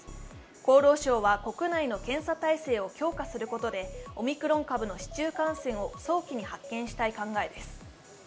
厚労省は国内の検査体制を強化することでオミクロン株の市中感染を早期に発見したい考えです。